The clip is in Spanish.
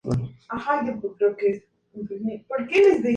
Fueron pilotados por el Capitán John R. Bryant para usarlos en Yorktown.